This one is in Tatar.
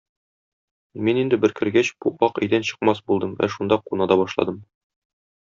Мин инде, бер кергәч, бу ак өйдән чыкмас булдым вә шунда куна да башладым.